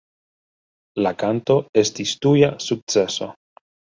La kanto estis tuja sukceso.